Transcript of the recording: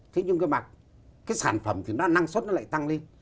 thế nhưng mà cái sản phẩm thì nó năng suất nó lại tăng lên